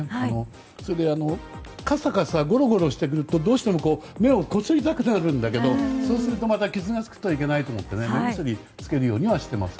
あとカサカサゴロゴロしてくるとどうしても目をこすりたくなるんだけどそうすると傷がつくといけないと思って目薬つけるようにしています。